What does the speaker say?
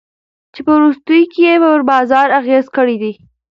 چي په وروستیو کي ئې پر بازار اغېز کړی دی.